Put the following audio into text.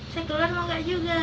saya keluar mau gak juga